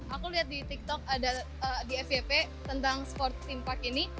aku lihat di tiktok ada di fvp tentang sporting part ini